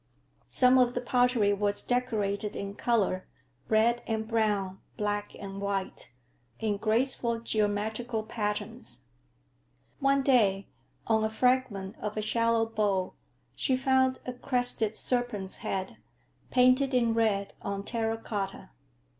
Some of the pottery was decorated in color, red and brown, black and white, in graceful geometrical patterns. One day, on a fragment of a shallow bowl, she found a crested serpent's head, painted in red on terra cotta.